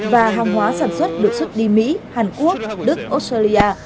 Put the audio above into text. và hàng hóa sản xuất được xuất đi mỹ hàn quốc đức australia